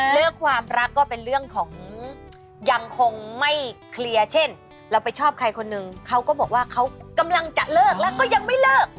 เรื่องความรักก็เป็นเรื่องของยังคงไม่เคลียร์เช่นเราไปชอบใครคนนึงเขาก็บอกว่าเขากำลังจะเลิกแล้วก็ยังไม่เลิก